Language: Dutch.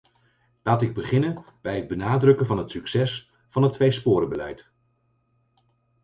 Laat ik beginnen bij het benadrukken van het succes van het tweesporenbeleid.